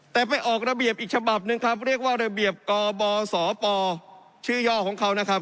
แต่ไปออกระเบียบอีกฉบับหนึ่งครับเรียกว่าระเบียบกบสปชื่อย่อของเขานะครับ